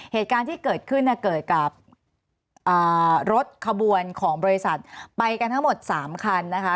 เหตุการณ์ที่เกิดขึ้นเนี่ยเกิดกับรถขบวนของบริษัทไปกันทั้งหมด๓คันนะคะ